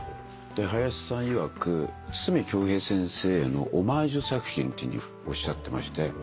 林さんいわく筒美京平先生のオマージュ作品というふうにおっしゃってまして。